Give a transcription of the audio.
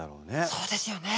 そうですよね。